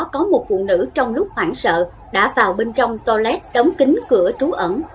có một phụ nữ trong lúc hoảng sợ đã vào bên trong toilet đóng kính cửa trú ẩn